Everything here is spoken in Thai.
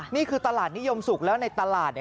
นี่คือตลาดนิยมสุกแล้วในตลาดเนี่ย